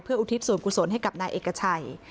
เพื่ออุทิศศูนย์กุศลให้กับนายเอกชัย